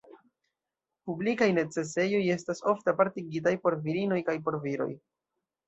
Publikaj necesejoj estas ofte apartigitaj por virinoj kaj por viroj.